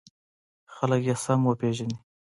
خلک یې سم وپېژني.